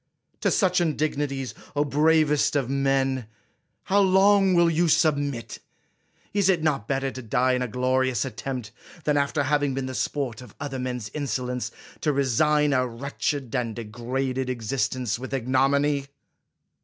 To such indignities, O bravest of men, how long will you submit? Is it not better to die in a glorious attempt, than, after having been the sport of other men's insolence, to resign a wretched and degraded existence with ig nominy?